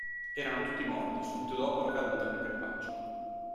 Erano tutti morti subito dopo la caduta nel crepaccio.